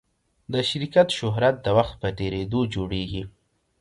د شرکت شهرت د وخت په تېرېدو جوړېږي.